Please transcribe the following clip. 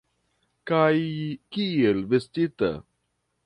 Kaj kiel vestita!